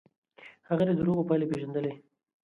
هغه د دروغو پايلې پېژندلې.